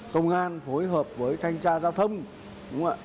công an phối hợp với thanh tra giao thông